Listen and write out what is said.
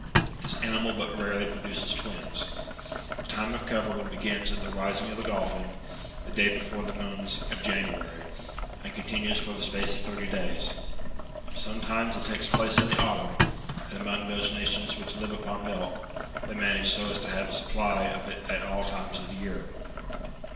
This animal but rarely produces twins. The time of covering begins at the rising of the Dolphin, the day before the nones of January, ^^ and continues for the space of thirty days. Some times it takes place in the autumn ; and among those nations which live upon milk, they manage so as to have a supplj of it at all times of the year.